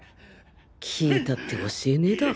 聞いたって教えねだろ